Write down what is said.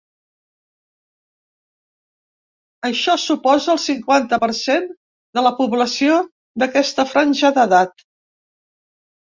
Això suposa el cinquanta per cent de la població d’aquesta franja d’edat.